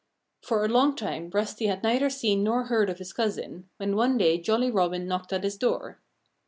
For a long time Rusty had neither seen nor heard of his cousin, when one day Jolly Robin knocked at his door.